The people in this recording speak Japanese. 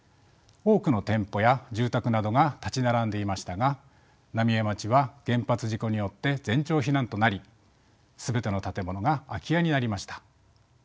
多くの店舗や住宅などが立ち並んでいましたが浪江町は原発事故によって全町避難となり全ての建物が空き家になりました。